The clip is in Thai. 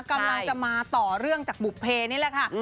กำลังจะมาต่อเรื่องจากบุภเพนี่แหละค่ะ